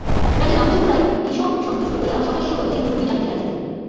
রাজা রামচন্দ্র রায় বিষম সন্তুষ্ট হইয়া সহাস্যবদনে গুড়গুড়ি টানিতে লাগিলেন।